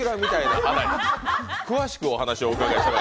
詳しくお話をお伺いしても？